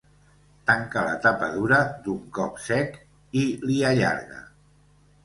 Tanca la tapa dura d'un cop sec i li allarga.